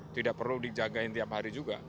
tidak perlu dijagain tiap hari juga